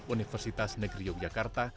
universitas negeri yogyakarta